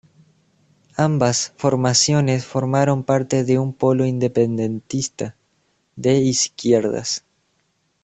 Ambas formaciones formaron parte de un "polo independentista de izquierdas".